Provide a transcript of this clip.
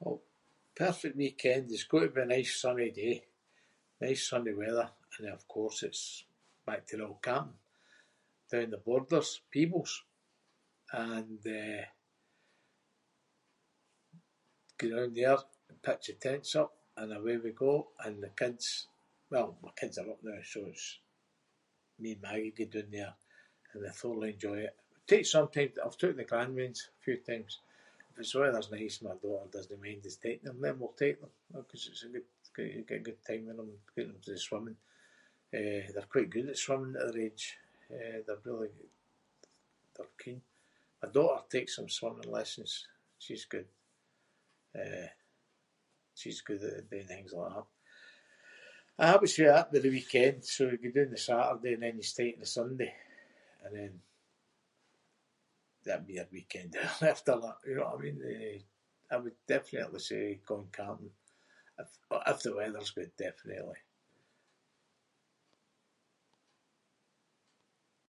Well, perfect weekend has got to be a nice sunny day- nice sunny weather and of course it’s back to the old camping. Down the Borders- Peebles and, eh, go down there, and pitch the tents up and away we go. And the kids- well my kids are up noo so it’s me and Maggie go doon there and I thoroughly enjoy it. Take sometimes- I’ve took the grandweans a few times. If it's the weather’s nice my daughter doesnae mind us taking them then we’ll take them, know, ‘cause it's a good g- you get a good time with them, take them to the swimming. Eh, they’re quite good at swimming at their age. Eh, they’re really- they’re keen. My daughter takes them swimming lessons. She’s good, eh, she’s good at doing things like that. Aye, I would say that would be the weekend, so you go doon the Saturday and then you stay to the Sunday and then that would be your weekend there after, you know what I mean? Eh, I would definitely say going camping i- or if the weather’s good, definitely.